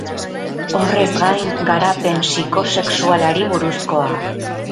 Horrez gain, garapen psikosexualari buruzkoa.